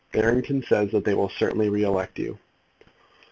"Barrington says that they will certainly re elect you."